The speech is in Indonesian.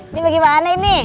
ini bagaimana ini